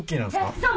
そう。